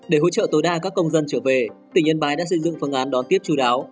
để hỗ trợ tối đa các công dân trở về tỉnh yên bái đã xây dựng phương án đón tiếp chú đáo